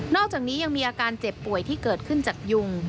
อกจากนี้ยังมีอาการเจ็บป่วยที่เกิดขึ้นจากยุง